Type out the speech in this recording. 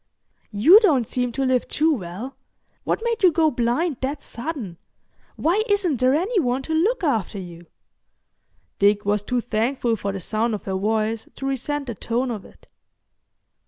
You don't seem to live too well. What made you go blind that sudden? Why isn't there any one to look after you?" Dick was too thankful for the sound of her voice to resent the tone of it.